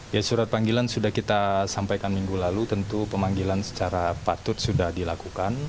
ya surat panggilan sudah kita sampaikan minggu lalu tentu pemanggilan secara patut sudah dilakukan